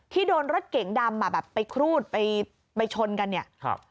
ที่โดนรถเก๋งดำไปคลูดไปชนกันเนี่ย